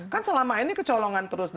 kan selama ini kecolongan terus